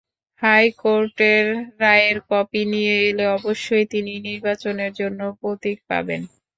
হাইকোর্টের রায়ের কপি নিয়ে এলে অবশ্যই তিনি নির্বাচনের জন্য প্রতীক পাবেন।